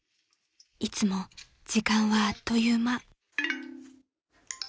いつも時間はあっという間］